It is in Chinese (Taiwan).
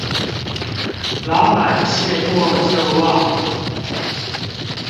老闆謝過就忘了